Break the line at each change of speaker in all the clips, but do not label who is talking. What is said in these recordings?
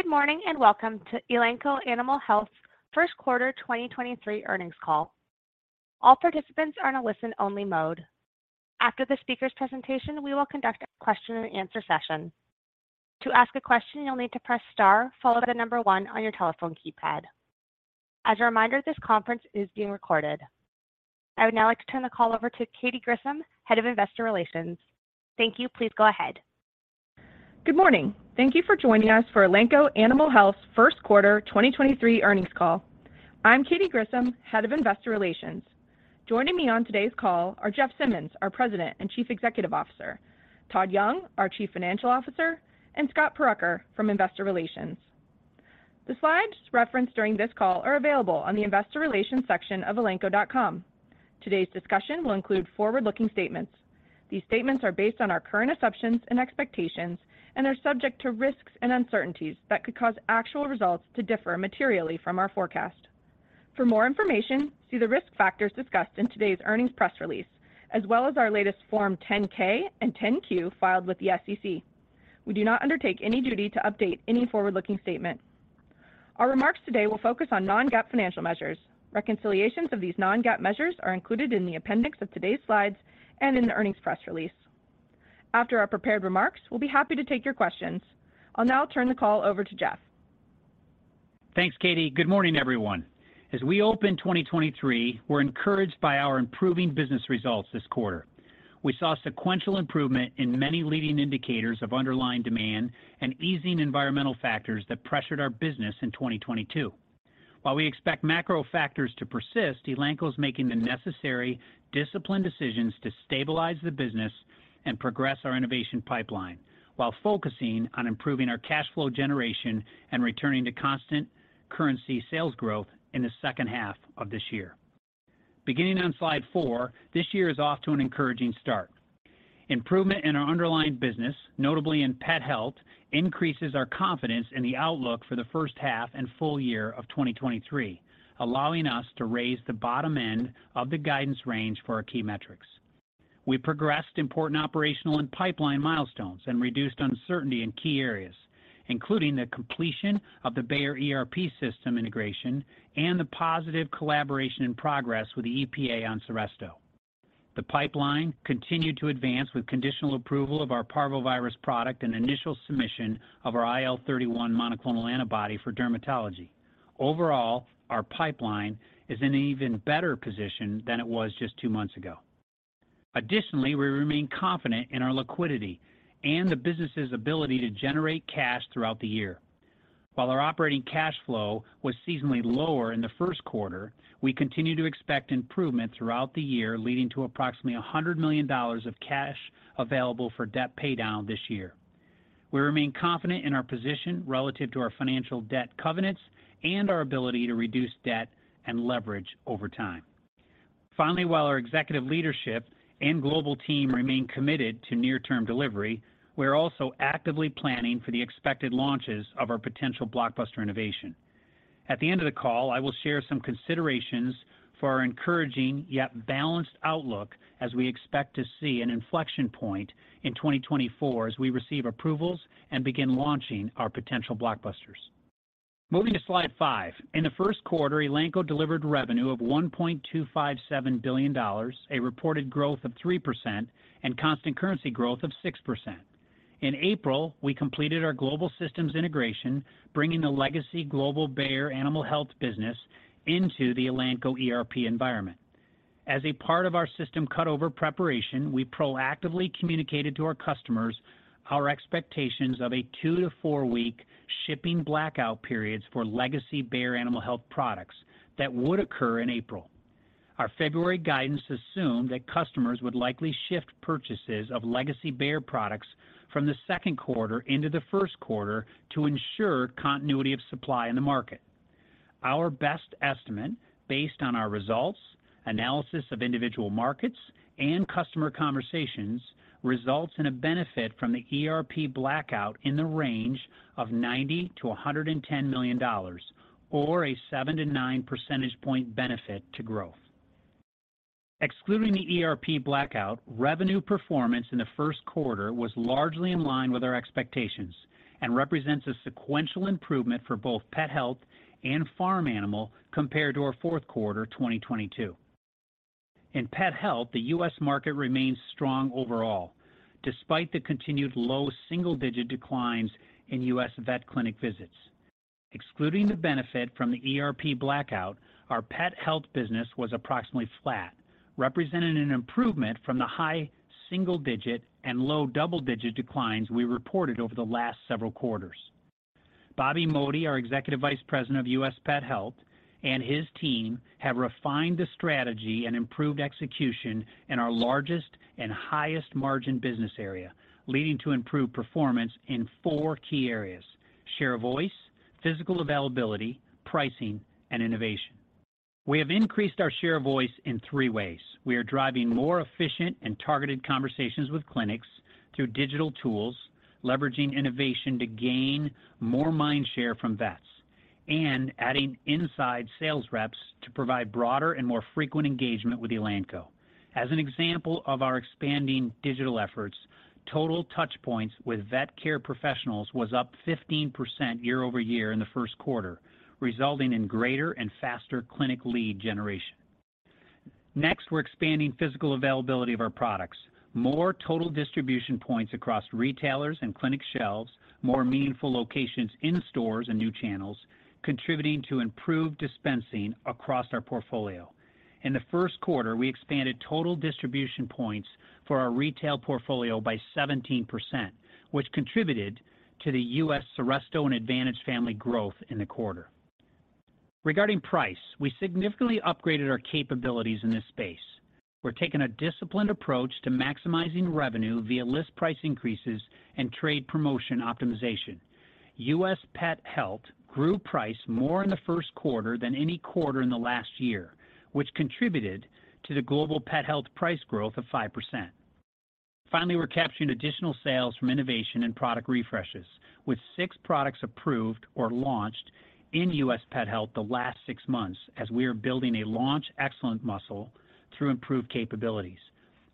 Good morning, and welcome to Elanco Animal Health first quarter 2023 earnings call. All participants are on a listen-only mode. After the speaker's presentation, we will conduct a question-and-answer session. To ask a question, you'll need to press star followed by one on your telephone keypad. As a reminder, this conference is being recorded. I would now like to turn the call over to Katy Grissom, Head of Investor Relations. Thank you. Please go ahead.
Good morning. Thank you for joining us for Elanco Animal Health first quarter 2023 earnings call. I'm Katy Grissom, Head of Investor Relations. Joining me on today's call are Jeff Simmons, our President and Chief Executive Officer, Todd Young, our Chief Financial Officer, and Scott Purucker from Investor Relations. The slides referenced during this call are available on the investor relations section of elanco.com. Today's discussion will include forward-looking statements. These statements are based on our current assumptions and expectations and are subject to risks and uncertainties that could cause actual results to differ materially from our forecast. For more information, see the risk factors discussed in today's earnings press release, as well as our latest Form 10-K and 10-Q filed with the SEC. We do not undertake any duty to update any forward-looking statement. Our remarks today will focus on non-GAAP financial measures. Reconciliations of these non-GAAP measures are included in the appendix of today's slides and in the earnings press release. After our prepared remarks, we'll be happy to take your questions. I'll now turn the call over to Jeff.
Thanks, Katy. Good morning, everyone. As we open 2023, we're encouraged by our improving business results this quarter. We saw sequential improvement in many leading indicators of underlying demand and easing environmental factors that pressured our business in 2022. While we expect macro factors to persist, Elanco's making the necessary disciplined decisions to stabilize the business and progress our innovation pipeline while focusing on improving our cash flow generation and returning to constant currency sales growth in the second half of this year. Beginning on slide four, this year is off to an encouraging start. Improvement in our underlying business, notably in pet health, increases our confidence in the outlook for the first half and full-year of 2023, allowing us to raise the bottom end of the guidance range for our key metrics. We progressed important operational and pipeline milestones and reduced uncertainty in key areas, including the completion of the Bayer ERP system integration and the positive collaboration and progress with the EPA on Seresto. The pipeline continued to advance with conditional approval of our parvovirus product and initial submission of our IL-31 monoclonal antibody for dermatology. Our pipeline is in an even better position than it was just two months ago. We remain confident in our liquidity and the business's ability to generate cash throughout the year. While our operating cash flow was seasonally lower in the first quarter, we continue to expect improvement throughout the year, leading to approximately $100 million of cash available for debt paydown this year. We remain confident in our position relative to our financial debt covenants and our ability to reduce debt and leverage over time. Finally, while our executive leadership and global team remain committed to near-term delivery, we're also actively planning for the expected launches of our potential blockbuster innovation. At the end of the call, I will share some considerations for our encouraging yet balanced outlook as we expect to see an inflection point in 2024 as we receive approvals and begin launching our potential blockbusters. Moving to slide five. In the first quarter, Elanco delivered revenue of $1.257 billion, a reported growth of 3% and constant currency growth of 6%. In April, we completed our global systems integration, bringing the legacy global Bayer Animal Health business into the Elanco ERP environment. As a part of our system cutover preparation, we proactively communicated to our customers our expectations of a two to four week shipping blackout periods for legacy Bayer Animal Health products that would occur in April. Our February guidance assumed that customers would likely shift purchases of legacy Bayer products from the second quarter into the first quarter to ensure continuity of supply in the market. Our best estimate based on our results, analysis of individual markets, and customer conversations results in a benefit from the ERP blackout in the range of $90 million-$110 million or a 7-9 percentage point benefit to growth. Excluding the ERP blackout, revenue performance in the first quarter was largely in line with our expectations and represents a sequential improvement for both pet health and farm animal compared to our fourth quarter 2022. In pet health, the U.S. market remains strong overall, despite the continued low single-digit declines in U.S. vet clinic visits. Excluding the benefit from the ERP blackout, our pet health business was approximately flat, representing an improvement from the high single-digit and low double-digit declines we reported over the last several quarters. Bobby Modi, our Executive Vice President of U.S. Pet Health, and his team have refined the strategy and improved execution in our largest and highest margin business area, leading to improved performance in four key areas: share of voice, physical availability, pricing, and innovation. We have increased our share of voice in three ways. We are driving more efficient and targeted conversations with clinics through digital tools, leveraging innovation to gain more mind share from vets. Adding inside sales reps to provide broader and more frequent engagement with Elanco. As an example of our expanding digital efforts, total touch points with vet care professionals was up 15% year-over-year in the first quarter, resulting in greater and faster clinic lead generation. We're expanding physical availability of our products. More total distribution points across retailers and clinic shelves, more meaningful locations in stores and new channels, contributing to improved dispensing across our portfolio. In the first quarter, we expanded total distribution points for our retail portfolio by 17%, which contributed to the U.S. Seresto and Advantage family growth in the quarter. Regarding price, we significantly upgraded our capabilities in this space. We're taking a disciplined approach to maximizing revenue via list price increases and trade promotion optimization. U.S. Pet Health grew price more in the first quarter than any quarter in the last year, which contributed to the global pet health price growth of 5%. We're capturing additional sales from innovation and product refreshes, with six products approved or launched in U.S. Pet Health the last six months as we are building a launch excellence muscle through improved capabilities.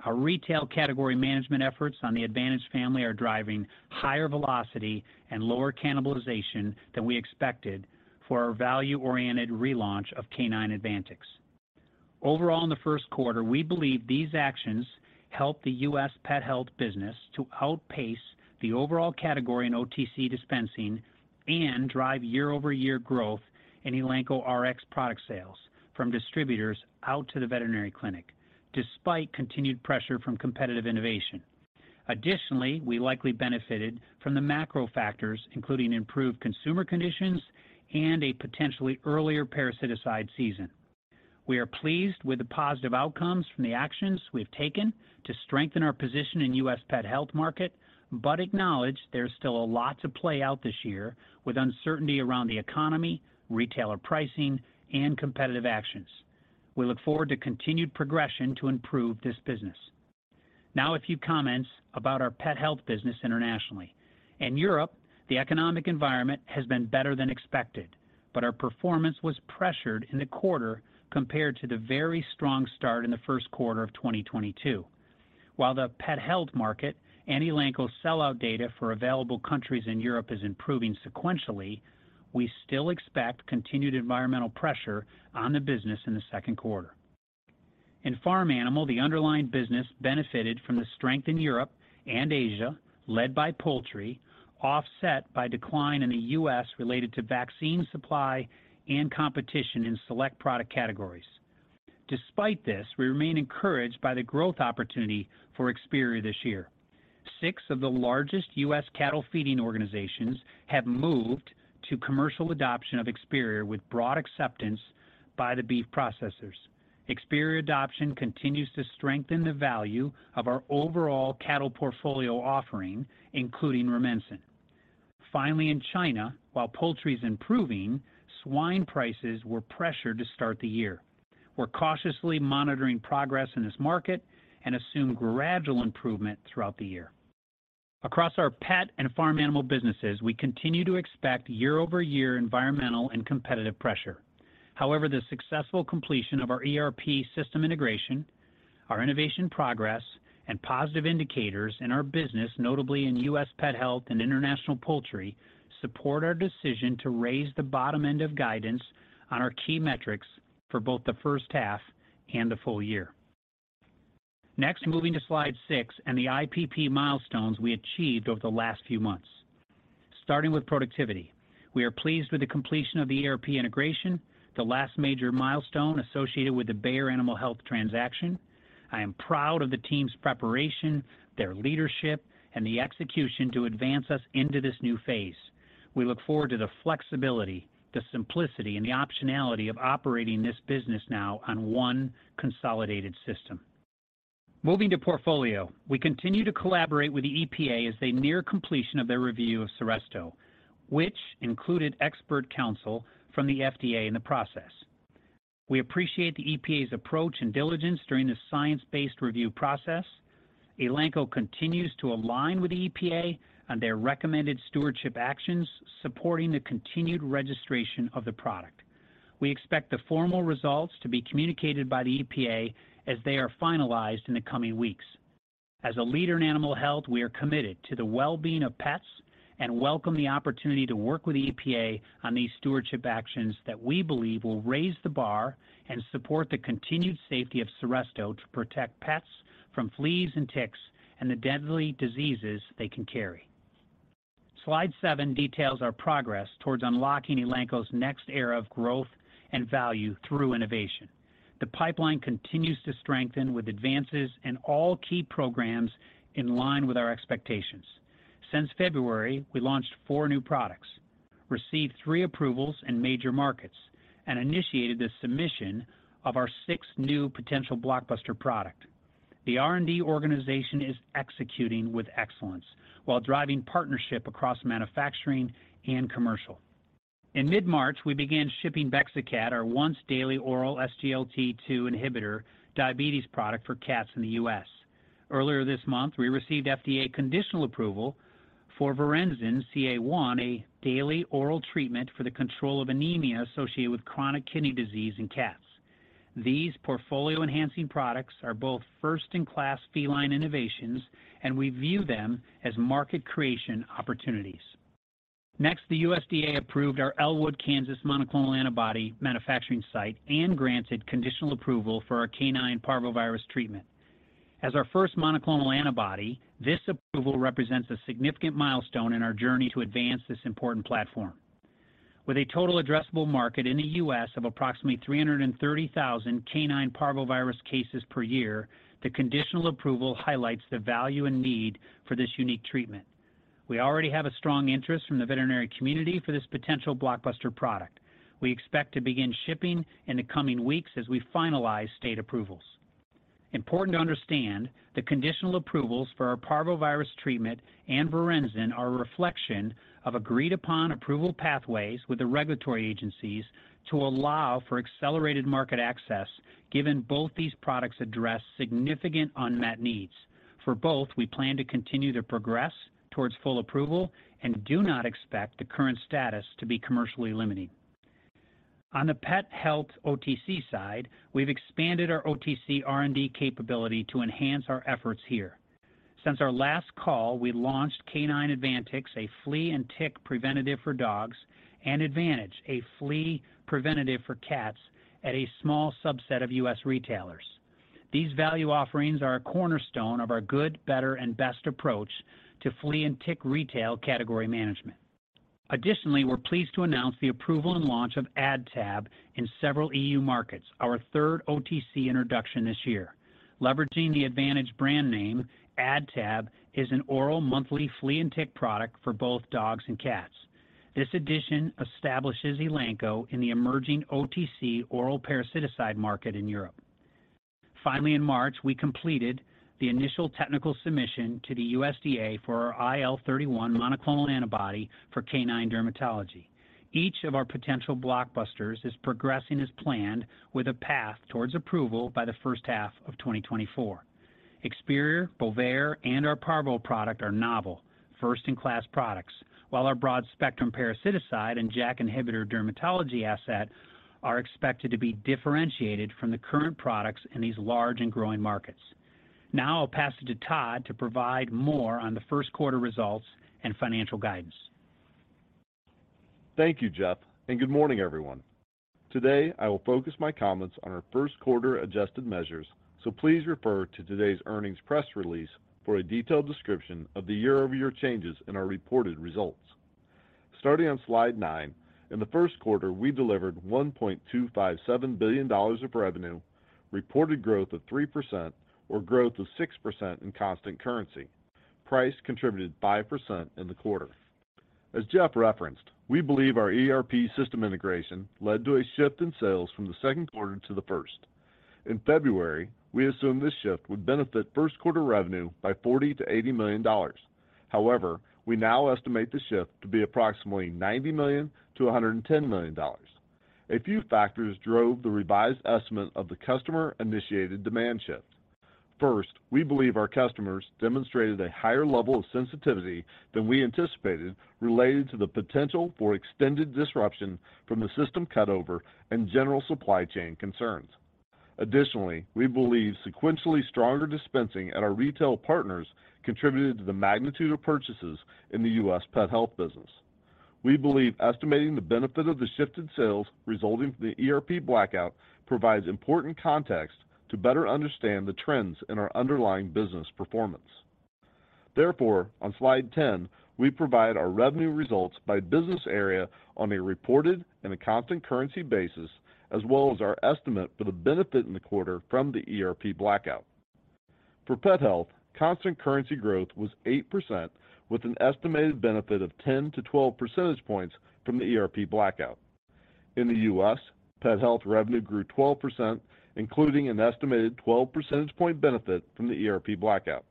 Our retail category management efforts on the Advantage family are driving higher velocity and lower cannibalization than we expected for our value-oriented relaunch of K9 Advantix II. Overall, in the first quarter, we believe these actions help the U.S. Pet Health business to outpace the overall category in OTC dispensing and drive year-over-year growth in Elanco Rx product sales from distributors out to the veterinary clinic, despite continued pressure from competitive innovation. We likely benefited from the macro factors, including improved consumer conditions and a potentially earlier parasiticide season. We are pleased with the positive outcomes from the actions we've taken to strengthen our position in U.S. Pet Health market, but acknowledge there's still a lot to play out this year with uncertainty around the economy, retailer pricing, and competitive actions. We look forward to continued progression to improve this business. A few comments about our Pet Health business internationally. In Europe, the economic environment has been better than expected, but our performance was pressured in the quarter compared to the very strong start in the first quarter of 2022. While the Pet Health market and Elanco's sell-out data for available countries in Europe is improving sequentially, we still expect continued environmental pressure on the business in the second quarter. In farm animal, the underlying business benefited from the strength in Europe and Asia, led by poultry, offset by decline in the U.S. related to vaccine supply and competition in select product categories. Despite this, we remain encouraged by the growth opportunity for Experior this year. Six of the largest U.S. cattle feeding organizations have moved to commercial adoption of Experior with broad acceptance by the beef processors. Experior adoption continues to strengthen the value of our overall cattle portfolio offering, including Rumensin. Finally, in China, while poultry is improving, swine prices were pressured to start the year. We're cautiously monitoring progress in this market and assume gradual improvement throughout the year. Across our pet and farm animal businesses, we continue to expect year-over-year environmental and competitive pressure. However, the successful completion of our ERP system integration, our innovation progress, and positive indicators in our business, notably in U.S. Pet Health and International Poultry, support our decision to raise the bottom end of guidance on our key metrics for both the first half and the full-year. Moving to slide six and the IPP milestones we achieved over the last few months. Starting with productivity, we are pleased with the completion of the ERP integration, the last major milestone associated with the Bayer Animal Health transaction. I am proud of the team's preparation, their leadership, and the execution to advance us into this new phase. We look forward to the flexibility, the simplicity, and the optionality of operating this business now on one consolidated system. Moving to portfolio, we continue to collaborate with the EPA as they near completion of their review of Seresto, which included expert counsel from the FDA in the process. We appreciate the EPA's approach and diligence during the science-based review process. Elanco continues to align with the EPA on their recommended stewardship actions supporting the continued registration of the product. We expect the formal results to be communicated by the EPA as they are finalized in the coming weeks. As a leader in animal health, we are committed to the well-being of pets and welcome the opportunity to work with the EPA on these stewardship actions that we believe will raise the bar and support the continued safety of Seresto to protect pets from fleas and ticks and the deadly diseases they can carry. Slide seven details our progress towards unlocking Elanco's next era of growth and value through innovation. The pipeline continues to strengthen with advances in all key programs in line with our expectations. Since February, we launched four new products, received three approvals in major markets, and initiated the submission of our sixth new potential blockbuster product. The R&D organization is executing with excellence while driving partnership across manufacturing and commercial. In mid-March, we began shipping Bexacat, our once-daily oral SGLT2 inhibitor diabetes product for cats in the U.S. Earlier this month, we received FDA conditional approval for Varenzin-CA1, a daily oral treatment for the control of anemia associated with chronic kidney disease in cats. These portfolio-enhancing products are both first-in-class feline innovations, and we view them as market creation opportunities. The USDA approved our Elwood, Kansas, monoclonal antibody manufacturing site and granted conditional approval for our Canine Parvovirus treatment. As our first monoclonal antibody, this approval represents a significant milestone in our journey to advance this important platform. With a total addressable market in the U.S. of approximately 330,000 canine parvovirus cases per year, the conditional approval highlights the value and need for this unique treatment. We already have a strong interest from the veterinary community for this potential blockbuster product. We expect to begin shipping in the coming weeks as we finalize state approvals. Important to understand, the conditional approvals for our parvovirus treatment and Varenzin-CA1 are a reflection of agreed-upon approval pathways with the regulatory agencies to allow for accelerated market access, given both these products address significant unmet needs. For both, we plan to continue to progress towards full approval and do not expect the current status to be commercially limiting. On the pet health OTC side, we've expanded our OTC R&D capability to enhance our efforts here. Since our last call, we launched K9 Advantix II, a flea and tick preventative for dogs, and Advantage II, a flea preventative for cats, at a small subset of U.S. retailers. These value offerings are a cornerstone of our good, better, and best approach to flea and tick retail category management. Additionally, we're pleased to announce the approval and launch of AdTab in several EU markets, our third OTC introduction this year. Leveraging the Advantage brand name, AdTab is an oral monthly flea and tick product for both dogs and cats. This addition establishes Elanco in the emerging OTC oral parasitic market in Europe. Finally, in March, we completed the initial technical submission to the USDA for our IL-31 monoclonal antibody for canine dermatology. Each of our potential blockbusters is progressing as planned with a path towards approval by the first half of 2024. Experior, Bovaer, and our Parvo product are novel, first-in-class products. While our broad-spectrum parasitic and JAK inhibitor dermatology asset are expected to be differentiated from the current products in these large and growing markets. Now I'll pass it to Todd to provide more on the first quarter results and financial guidance.
Thank you, Jeff Simmons, good morning, everyone. Today, I will focus my comments on our first quarter adjusted measures, please refer to today's earnings press release for a detailed description of the year-over-year changes in our reported results. Starting on slide nine, in the first quarter, we delivered $1.257 billion of revenue, reported growth of 3% or growth of 6% in constant currency. Price contributed 5% in the quarter. As Jeff Simmons referenced, we believe our ERP system integration led to a shift in sales from the second quarter to the first. In February, we assumed this shift would benefit first quarter revenue by $40 million-$80 million. We now estimate the shift to be approximately $90 million-$110 million. A few factors drove the revised estimate of the customer-initiated demand shift. We believe our customers demonstrated a higher level of sensitivity than we anticipated related to the potential for extended disruption from the system cutover and general supply chain concerns. We believe sequentially stronger dispensing at our retail partners contributed to the magnitude of purchases in the U.S. pet health business. We believe estimating the benefit of the shifted sales resulting from the ERP blackout provides important context to better understand the trends in our underlying business performance. On slide 10, we provide our revenue results by business area on a reported and a constant currency basis, as well as our estimate for the benefit in the quarter from the ERP blackout. For pet health, constant currency growth was 8% with an estimated benefit of 10-12 percentage points from the ERP blackout. In the U.S., pet health revenue grew 12%, including an estimated 12 percentage point benefit from the ERP blackout.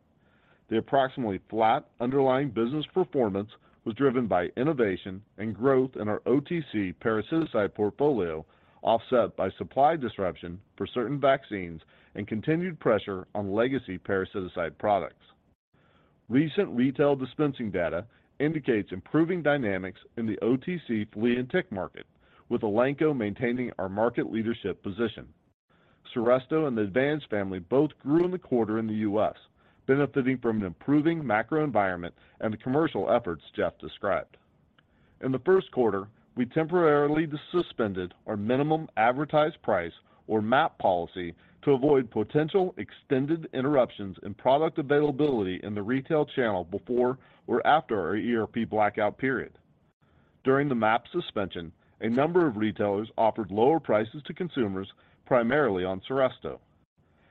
The approximately flat underlying business performance was driven by innovation and growth in our OTC parasitic portfolio, offset by supply disruption for certain vaccines and continued pressure on legacy parasitic products. Recent retail dispensing data indicates improving dynamics in the OTC flea and tick market, with Elanco maintaining our market leadership position. Seresto and the Advantage family both grew in the quarter in the U.S., benefiting from an improving macro environment and the commercial efforts Jeff described. In the first quarter, we temporarily suspended our minimum advertised price or MAP policy to avoid potential extended interruptions in product availability in the retail channel before or after our ERP blackout period. During the MAP suspension, a number of retailers offered lower prices to consumers, primarily on Seresto.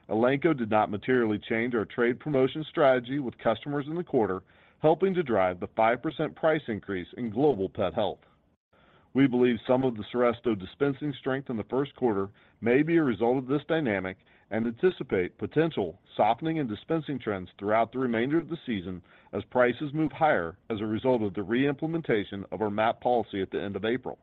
Elanco did not materially change our trade promotion strategy with customers in the quarter, helping to drive the 5% price increase in global pet health. We believe some of the Seresto dispensing strength in the first quarter may be a result of this dynamic and anticipate potential softening and dispensing trends throughout the remainder of the season as prices move higher as a result of the re-implementation of our MAP policy at the end of April.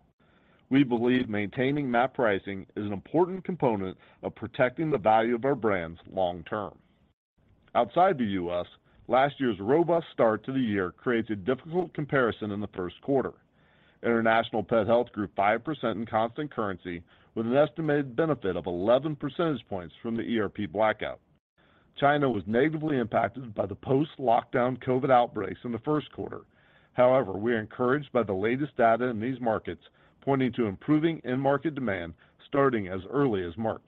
We believe maintaining MAP pricing is an important component of protecting the value of our brands long term. Outside the U.S., last year's robust start to the year creates a difficult comparison in the first quarter. International Pet Health grew 5% in constant currency with an estimated benefit of 11 percentage points from the ERP blackout. China was negatively impacted by the post-lockdown COVID outbreaks in the first quarter. We are encouraged by the latest data in these markets, pointing to improving end market demand starting as early as March.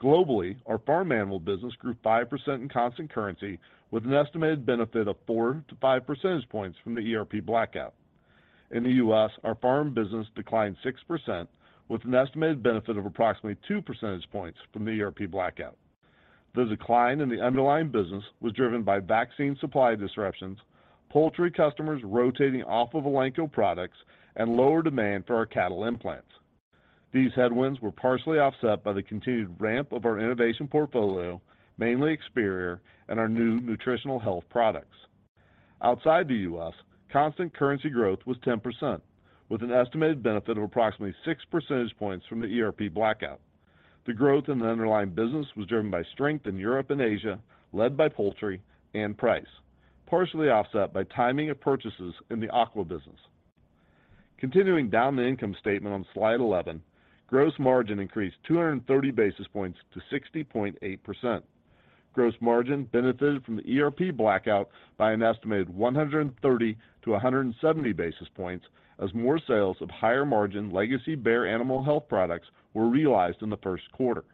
Globally, our farm animal business grew 5% in constant currency with an estimated benefit of 4 to 5 percentage points from the ERP blackout. In the U.S., our farm business declined 6% with an estimated benefit of approximately 2 percentage points from the ERP blackout. The decline in the underlying business was driven by vaccine supply disruptions, poultry customers rotating off of Elanco products, and lower demand for our cattle implants. These headwinds were partially offset by the continued ramp of our innovation portfolio, mainly Experior and our new nutritional health products. Outside the U.S., constant currency growth was 10%, with an estimated benefit of approximately 6 percentage points from the ERP blackout. The growth in the underlying business was driven by strength in Europe and Asia, led by poultry and price, partially offset by timing of purchases in the aqua business. Continuing down the income statement on slide 11, gross margin increased 230 basis points to 60.8%. Gross margin benefited from the ERP blackout by an estimated 130 to 170 basis points as more sales of higher-margin legacy Bayer Animal Health products were realized in the first quarter.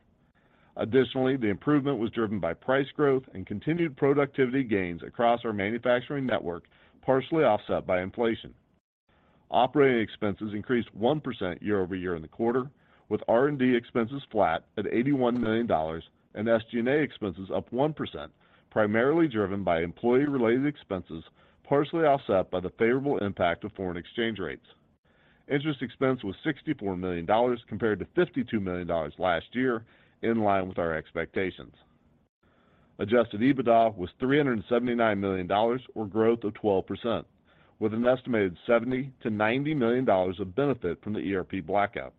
The improvement was driven by price growth and continued productivity gains across our manufacturing network, partially offset by inflation. Operating expenses increased 1% year-over-year in the quarter, with R&D expenses flat at $81 million and SG&A expenses up 1%, primarily driven by employee-related expenses, partially offset by the favorable impact of foreign exchange rates. Interest expense was $64 million compared to $52 million last year, in line with our expectations. Adjusted EBITDA was $379 million, or growth of 12%, with an estimated $70 million-$90 million of benefit from the ERP blackout.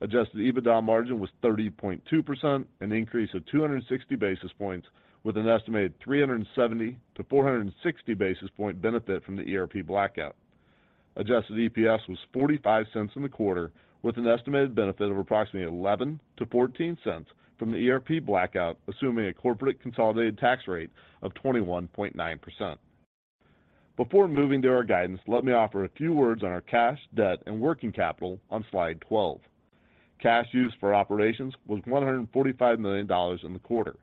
Adjusted EBITDA margin was 30.2%, an increase of 260 basis points, with an estimated 370-460 basis point benefit from the ERP blackout. Adjusted EPS was $0.45 in the quarter, with an estimated benefit of approximately $0.11-$0.14 from the ERP blackout, assuming a corporate consolidated tax rate of 21.9%. Before moving to our guidance, let me offer a few words on our cash, debt, and working capital on Slide 12. Cash use for operations was $145 million in the quarter.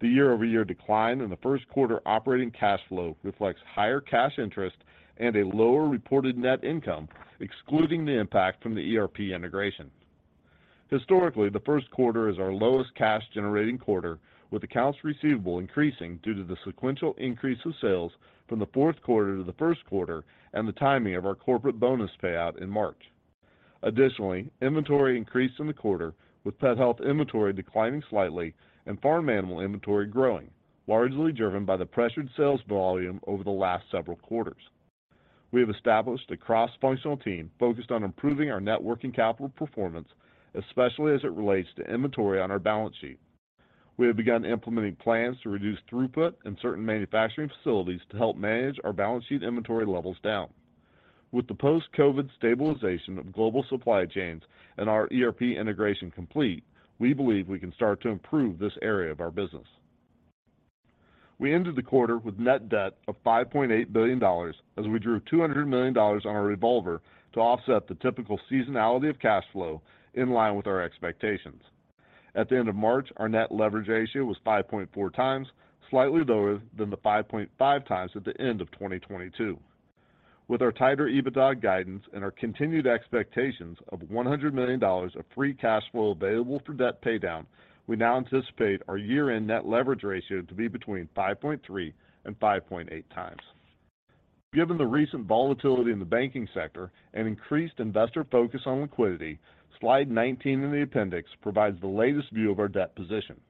The year-over-year decline in the first quarter operating cash flow reflects higher cash interest and a lower reported net income, excluding the impact from the ERP integration. Historically, the first quarter is our lowest cash-generating quarter, with accounts receivable increasing due to the sequential increase of sales from the fourth quarter to the first quarter and the timing of our corporate bonus payout in March. Additionally, inventory increased in the quarter, with pet health inventory declining slightly and farm animal inventory growing, largely driven by the pressured sales volume over the last several quarters. We have established a cross-functional team focused on improving our net working capital performance, especially as it relates to inventory on our balance sheet. We have begun implementing plans to reduce throughput in certain manufacturing facilities to help manage our balance sheet inventory levels down. With the post-COVID stabilization of global supply chains and our ERP integration complete, we believe we can start to improve this area of our business. We ended the quarter with net debt of $5.8 billion as we drew $200 million on our revolver to offset the typical seasonality of cash flow in line with our expectations. At the end of March, our net leverage ratio was 5.4x, slightly lower than the 5.5x at the end of 2022. With our tighter EBITDA guidance and our continued expectations of $100 million of free cash flow available for debt paydown, we now anticipate our year-end net leverage ratio to be between 5.3x and 5.8x. Given the recent volatility in the banking sector and increased investor focus on liquidity, Slide 19 in the appendix provides the latest view of our debt position.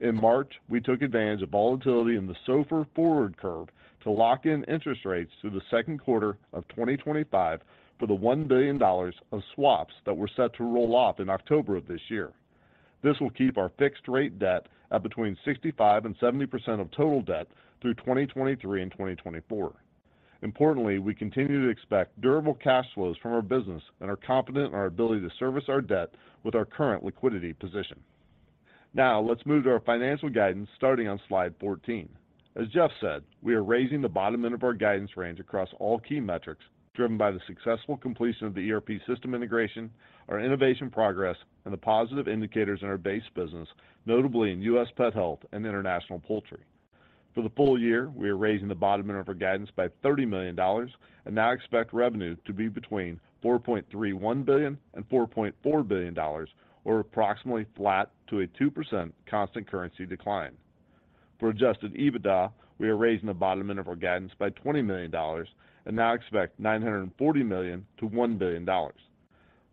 In March, we took advantage of volatility in the SOFR forward curve to lock in interest rates through the 2Q 2025 for the $1 billion of swaps that were set to roll off in October of this year. This will keep our fixed rate debt at between 65% and 70% of total debt through 2023 and 2024. Importantly, we continue to expect durable cash flows from our business and are confident in our ability to service our debt with our current liquidity position. Now let's move to our financial guidance starting on Slide 14. As Jeff said, we are raising the bottom end of our guidance range across all key metrics driven by the successful completion of the ERP system integration, our innovation progress, and the positive indicators in our base business, notably in U.S. pet health and international poultry. For the full-year, we are raising the bottom end of our guidance by $30 million and now expect revenue to be between $4.31 billion and $4.4 billion, or approximately flat to a 2% constant currency decline. For adjusted EBITDA, we are raising the bottom end of our guidance by $20 million and now expect $940 million to $1 billion.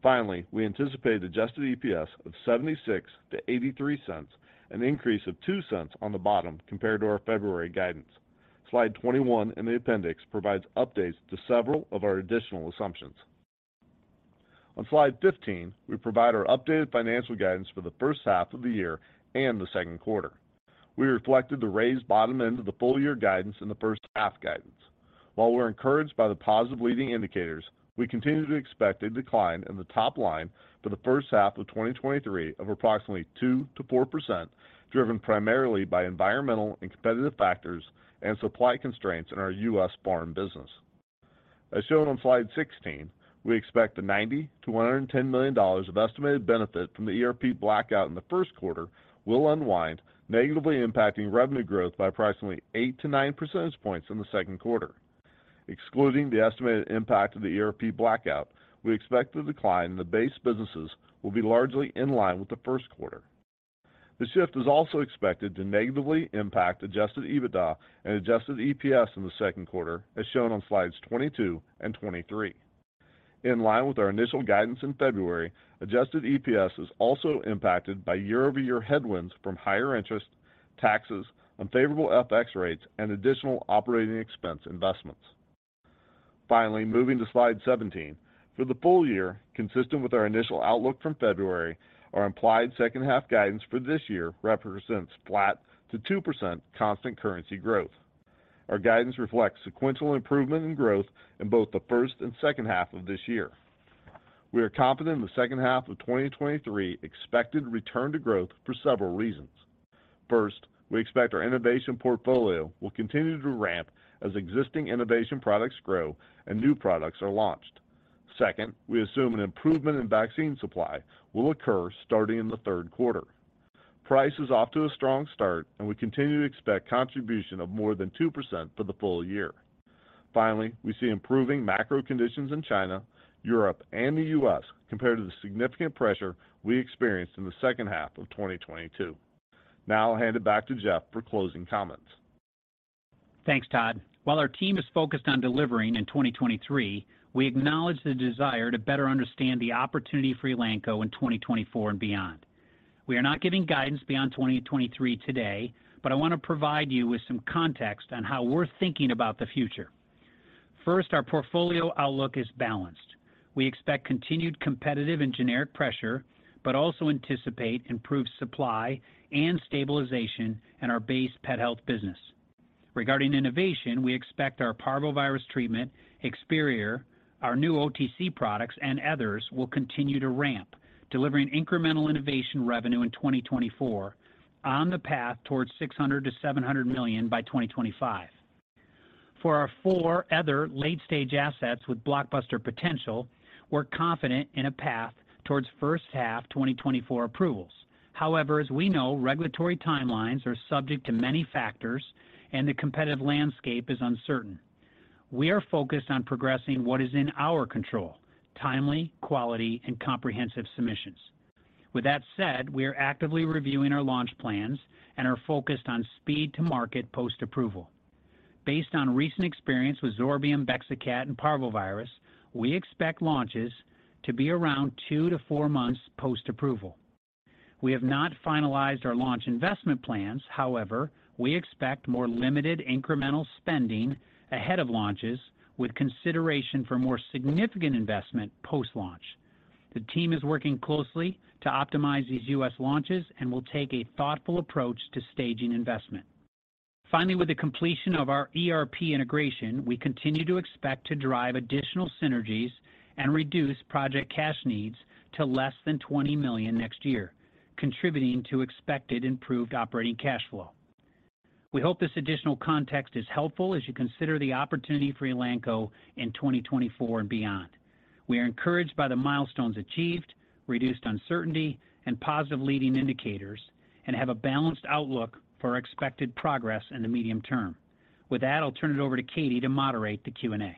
Finally, we anticipate adjusted EPS of $0.76-$0.83, an increase of $0.02 on the bottom compared to our February guidance. Slide 21 in the appendix provides updates to several of our additional assumptions. On slide 15, we provide our updated financial guidance for the first half of the year and the second quarter. We reflected the raised bottom end of the full-year guidance in the first half guidance. While we're encouraged by the positive leading indicators, we continue to expect a decline in the top line for the first half of 2023 of approximately 2%-4%, driven primarily by environmental and competitive factors and supply constraints in our U.S. foreign business. As shown on slide 16, we expect the $90 million-$110 million of estimated benefit from the ERP blackout in the first quarter will unwind, negatively impacting revenue growth by approximately 8-9 percentage points in the second quarter. Excluding the estimated impact of the ERP blackout, we expect the decline in the base businesses will be largely in line with the first quarter. The shift is also expected to negatively impact adjusted EBITDA and adjusted EPS in the second quarter, as shown on slides 22 and 23. In line with our initial guidance in February, adjusted EPS is also impacted by year-over-year headwinds from higher interest, taxes, unfavorable FX rates, and additional operating expense investments. Finally, moving to slide 17. For the full-year, consistent with our initial outlook from February, our implied second half guidance for this year represents flat to 2% constant currency growth. Our guidance reflects sequential improvement in growth in both the first and second half of this year. We are confident in the second half of 2023 expected return to growth for several reasons. First, we expect our innovation portfolio will continue to ramp as existing innovation products grow and new products are launched. Second, we assume an improvement in vaccine supply will occur starting in the third quarter. Price is off to a strong start. We continue to expect contribution of more than 2% for the full-year. Finally, we see improving macro conditions in China, Europe, and the U.S. compared to the significant pressure we experienced in the second half of 2022. Now I'll hand it back to Jeff for closing comments.
Thanks, Todd. While our team is focused on delivering in 2023, we acknowledge the desire to better understand the opportunity for Elanco in 2024 and beyond. We are not giving guidance beyond 2023 today, but I want to provide you with some context on how we're thinking about the future. First, our portfolio outlook is balanced. We expect continued competitive and generic pressure, but also anticipate improved supply and stabilization in our base pet health business. Regarding innovation, we expect our parvovirus treatment, Experior, our new OTC products, and others will continue to ramp, delivering incremental innovation revenue in 2024 on the path towards $600 million-$700 million by 2025. For our four other late-stage assets with blockbuster potential, we're confident in a path towards first half 2024 approvals. However, as we know, regulatory timelines are subject to many factors and the competitive landscape is uncertain. We are focused on progressing what is in our control, timely, quality, and comprehensive submissions. With that said, we are actively reviewing our launch plans and are focused on speed to market post-approval. Based on recent experience with Zorbium, Bexacat, and Parvovirus, we expect launches to be around two to four months post-approval. We have not finalized our launch investment plans. However, we expect more limited incremental spending ahead of launches with consideration for more significant investment post-launch. The team is working closely to optimize these U.S. launches and will take a thoughtful approach to staging investment. Finally, with the completion of our ERP integration, we continue to expect to drive additional synergies and reduce project cash needs to less than $20 million next year, contributing to expected improved operating cash flow. We hope this additional context is helpful as you consider the opportunity for Elanco in 2024 and beyond. We are encouraged by the milestones achieved, reduced uncertainty, and positive leading indicators, and have a balanced outlook for expected progress in the medium term. With that, I'll turn it over to Katy to moderate the Q&A.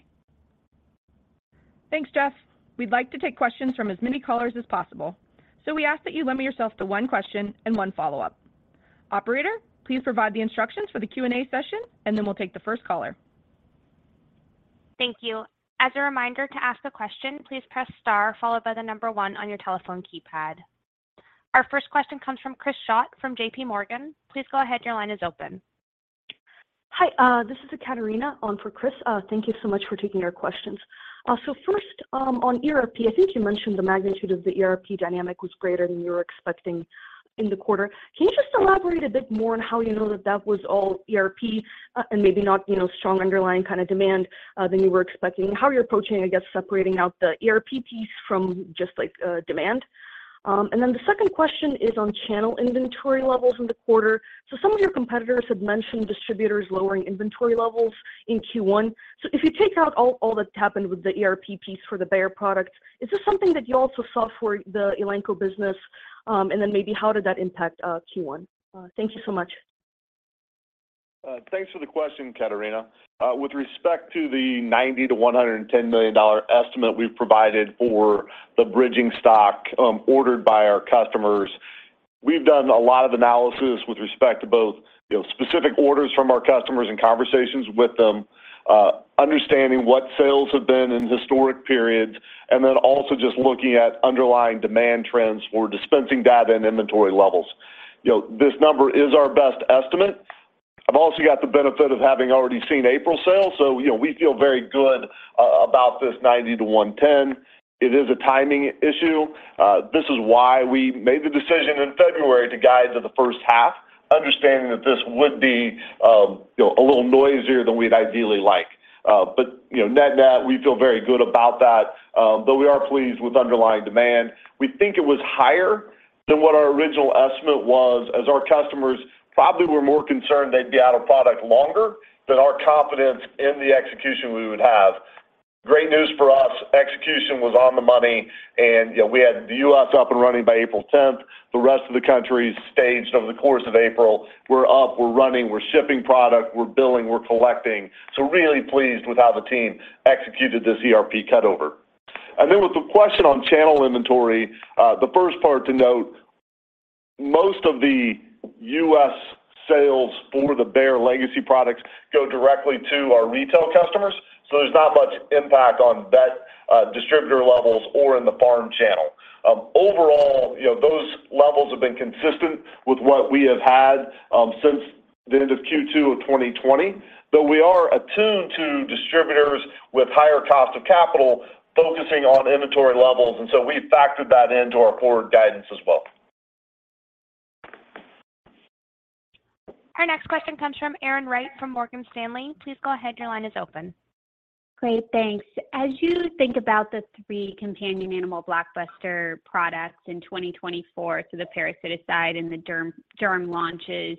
Thanks, Jeff. We'd like to take questions from as many callers as possible, so we ask that you limit yourself to one question and one follow-up. Operator, please provide the instructions for the Q&A session, and then we'll take the first caller.
Thank you. As a reminder to ask a question, please press star followed by the number one on your telephone keypad. Our first question comes from Chris Schott from JPMorgan. Please go ahead. Your line is open.
Hi, this is Ekaterina on for Chris. Thank you so much for taking our questions. First, on ERP, I think you mentioned the magnitude of the ERP dynamic was greater than you were expecting in the quarter. Can you just elaborate a bit more on how you know that that was all ERP, and maybe not, you know, strong underlying kind of demand than you were expecting? How are you approaching, I guess, separating out the ERP piece from just like demand? The second question is on channel inventory levels in the quarter. Some of your competitors had mentioned distributors lowering inventory levels in Q1. If you take out all that's happened with the ERP piece for the Bayer products, is this something that you also saw for the Elanco business? Maybe how did that impact Q1? Thank you so much.
Thanks for the question, Ekaterina. With respect to the $90 million-$110 million estimate we've provided for the bridging stock, ordered by our customers. We've done a lot of analysis with respect to both, you know, specific orders from our customers and conversations with them, understanding what sales have been in historic periods, then also just looking at underlying demand trends for dispensing data and inventory levels. You know, this number is our best estimate. I've also got the benefit of having already seen April sales, you know, we feel very good about this $90 million-$110 million. It is a timing issue. This is why we made the decision in February to guide to the first half, understanding that this would be, you know, a little noisier than we'd ideally like. You know, net-net, we feel very good about that, we are pleased with underlying demand. We think it was higher than what our original estimate was as our customers probably were more concerned they'd be out of product longer than our confidence in the execution we would have. Great news for us, execution was on the money, you know, we had the U.S. up and running by April 10th. The rest of the countries staged over the course of April. We're up, we're running, we're shipping product, we're billing, we're collecting. Really pleased with how the team executed this ERP cutover. With the question on channel inventory, the first part to note, most of the U.S. sales for the Bayer legacy products go directly to our retail customers. There's not much impact on vet distributor levels or in the farm channel. Overall, you know, those levels have been consistent with what we have had, since the end of Q2 of 2020, but we are attuned to distributors with higher cost of capital focusing on inventory levels, and so we factored that into our forward guidance as well.
Our next question comes from Erin Wright from Morgan Stanley. Please go ahead. Your line is open.
Great. Thanks. As you think about the three companion animal blockbuster products in 2024, so the parasiticide and the derm launches,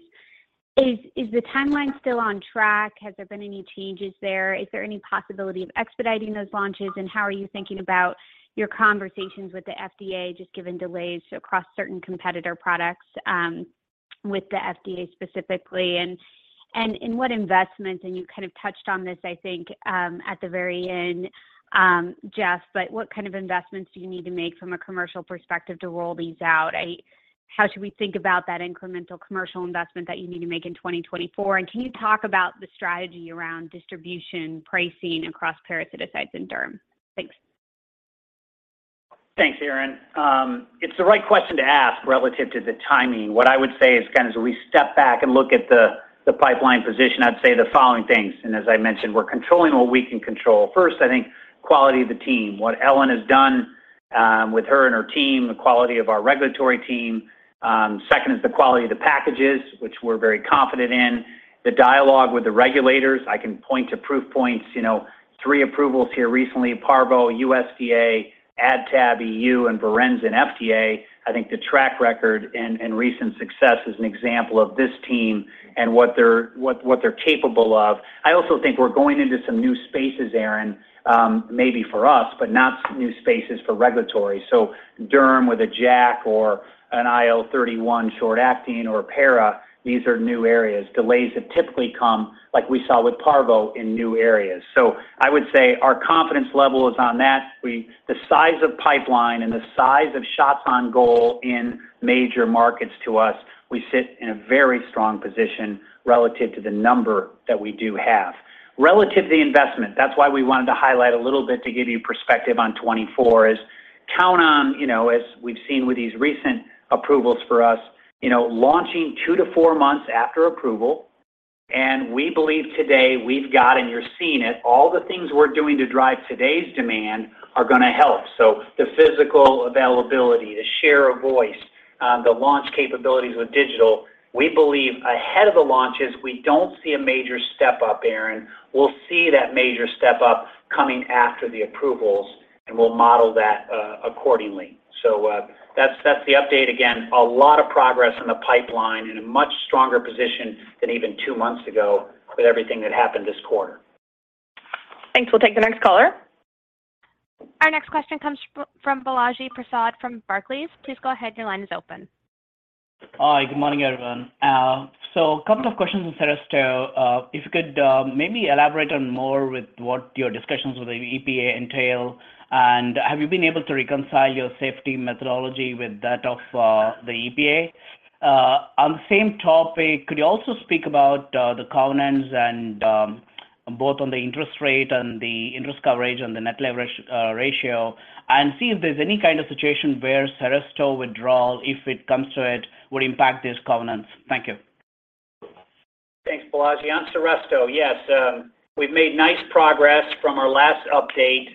is the timeline still on track? Has there been any changes there? Is there any possibility of expediting those launches? How are you thinking about your conversations with the FDA, just given delays across certain competitor products, with the FDA specifically? In what investments, and you kind of touched on this, I think, at the very end, Jeff, but what kind of investments do you need to make from a commercial perspective to roll these out? How should we think about that incremental commercial investment that you need to make in 2024? Can you talk about the strategy around distribution, pricing across parasiticides and derm? Thanks.
Thanks, Erin. It's the right question to ask relative to the timing. What I would say is kind of as we step back and look at the pipeline position, I'd say the following things, and as I mentioned, we're controlling what we can control. First, I think quality of the team, what Ellen has done with her and her team, the quality of our regulatory team. Second is the quality of the packages, which we're very confident in. The dialogue with the regulators. I can point to proof points, you know, three approvals here recently, Parvo, USDA, AdTab EU, and Varenzin and FDA. I think the track record and recent success is an example of this team and what they're capable of. I also think we're going into some new spaces, Erin, maybe for us, but not new spaces for regulatory. Derm with a JAK or an IL-31 short acting or a Parvo, these are new areas. Delays have typically come, like we saw with Parvo, in new areas. I would say our confidence level is on that. The size of pipeline and the size of shots on goal in major markets to us, we sit in a very strong position relative to the number that we do have. Relative to the investment, that's why we wanted to highlight a little bit to give you perspective on 2024, is count on, you know, as we've seen with these recent approvals for us, you know, launching two to four months after approval. We believe today we've got, and you're seeing it, all the things we're doing to drive today's demand are going to help. The physical availability, the share of voice, the launch capabilities with digital, we believe ahead of the launches, we don't see a major step up, Erin. We'll see that major step up coming after the approvals. We'll model that accordingly. That's the update. Again, a lot of progress in the pipeline in a much stronger position than even two months ago with everything that happened this quarter.
Thanks. We'll take the next caller.
Our next question comes from Balaji Prasad from Barclays. Please go ahead. Your line is open.
Hi. Good morning, everyone. Couple of questions on Seresto. If you could, maybe elaborate on more with what your discussions with the EPA entail. Have you been able to reconcile your safety methodology with that of the EPA? On the same topic, could you also speak about the covenants and both on the interest rate and the interest coverage and the net leverage ratio and see if there's any kind of situation where Seresto withdrawal, if it comes to it, would impact these covenants? Thank you.
Thanks, Balaji. On Seresto, yes, we've made nice progress from our last update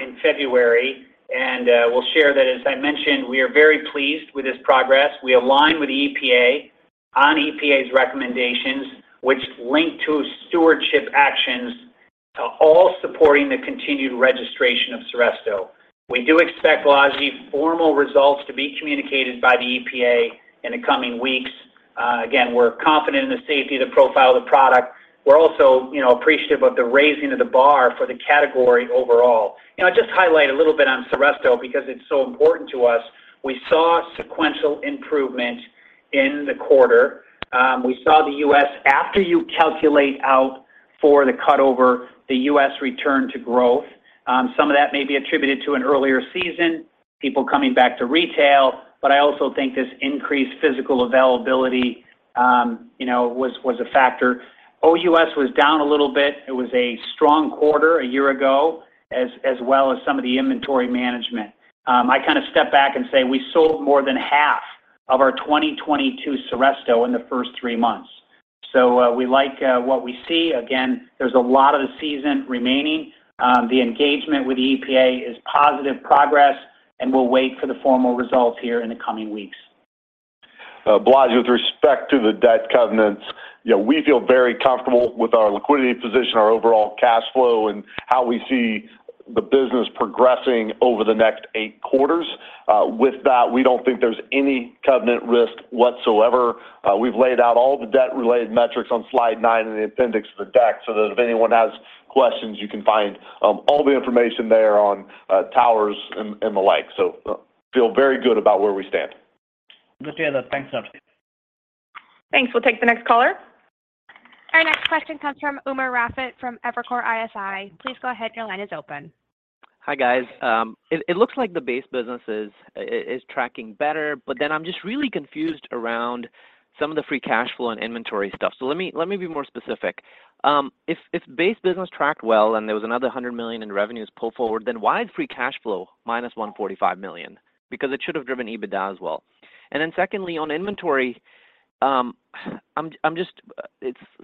in February, and we'll share that. As I mentioned, we are very pleased with this progress. We align with the EPA on EPA's recommendations, which link to stewardship actions, all supporting the continued registration of Seresto. We do expect, Balaji, formal results to be communicated by the EPA in the coming weeks. Again, we're confident in the safety of the profile of the product. We're also, you know, appreciative of the raising of the bar for the category overall. You know, just to highlight a little bit on Seresto because it's so important to us, we saw sequential improvement in the quarter. We saw the U.S., after you calculate out For the cutover, the U.S. return to growth. Some of that may be attributed to an earlier season, people coming back to retail, I also think this increased physical availability, you know, was a factor. OUS was down a little bit. It was a strong quarter a year ago, as well as some of the inventory management. I kind of step back and say we sold more than half of our 2022 Seresto in the first three months. We like what we see. There's a lot of the season remaining. The engagement with the EPA is positive progress, we'll wait for the formal results here in the coming weeks.
Balaji, with respect to the debt covenants, you know, we feel very comfortable with our liquidity position, our overall cash flow, and how we see the business progressing over the next eight quarters. With that, we don't think there's any covenant risk whatsoever. We've laid out all the debt-related metrics on slide nine in the appendix of the deck so that if anyone has questions, you can find all the information there on towers and the like. Feel very good about where we stand.
Good to hear that. Thanks, Jeff.
Thanks. We'll take the next caller.
Our next question comes from Umer Raffat from Evercore ISI. Please go ahead. Your line is open.
Hi, guys. It looks like the base business is tracking better. I'm just really confused around some of the free cash flow and inventory stuff. Let me be more specific. If base business tracked well, and there was another $100 million in revenues pulled forward, why is free cash flow -$145 million? Because it should have driven EBITDA as well. Secondly, on inventory, it's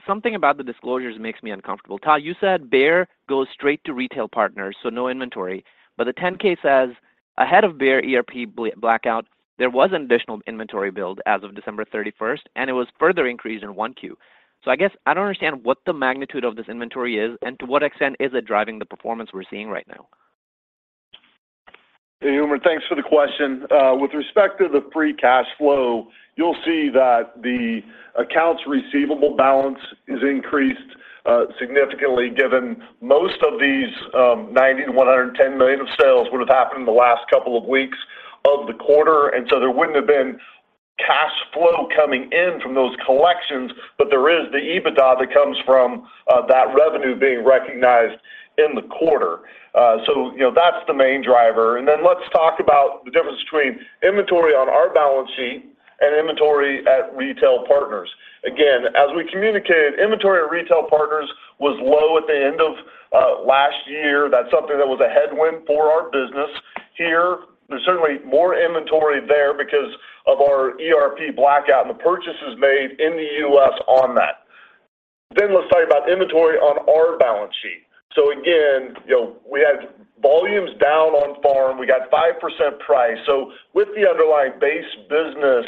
something about the disclosures makes me uncomfortable. Todd, you said Bayer goes straight to retail partners, so no inventory. The 10-K says ahead of Bayer ERP blackout, there was an additional inventory build as of December 31st, and it was further increased in 1Q. I guess I don't understand what the magnitude of this inventory is and to what extent is it driving the performance we're seeing right now.
Hey, Umer, thanks for the question. With respect to the free cash flow, you'll see that the accounts receivable balance is increased significantly given most of these $90 million-$110 million of sales would have happened in the last couple of weeks of the quarter. There wouldn't have been cash flow coming in from those collections, but there is the EBITDA that comes from that revenue being recognized in the quarter. You know, that's the main driver. Let's talk about the difference between inventory on our balance sheet and inventory at retail partners. Again, as we communicated, inventory at retail partners was low at the end of last year. That's something that was a headwind for our business. Here, there's certainly more inventory there because of our ERP blackout and the purchases made in the US on that. Let's talk about inventory on our balance sheet. Again, you know, we had volumes down on farm. We got 5% price. With the underlying base business,